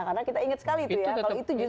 karena kita ingat sekali itu ya